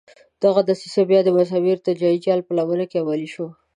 دغه دسیسه بیا د مذهبي ارتجاعي جال په لمن کې عملي شوه.